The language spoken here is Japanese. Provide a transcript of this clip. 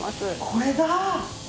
これだ！